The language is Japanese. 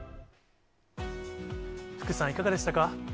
福さん、いかがでしたか。